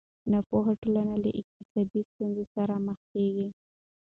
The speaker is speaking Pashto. ناپوهه ټولنه له اقتصادي ستونزو سره مخ کېږي.